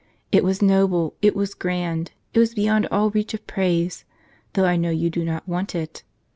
It was noble, it was grand, it was beyond all reach of praise ; though I know you do not want it.